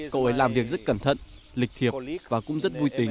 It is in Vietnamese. cậu ấy làm việc rất cẩn thận lịch thiệp và cũng rất vui tính